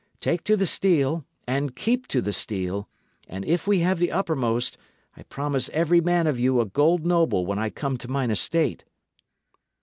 Take to the steel, and keep to the steel; and if we have the uppermost, I promise every man of you a gold noble when I come to mine estate."